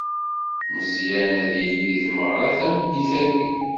Meẓẓyan ad yili di tmeɣra tameddit-agi.